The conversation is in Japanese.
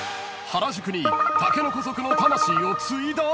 ［原宿に竹の子族の魂を継いだ？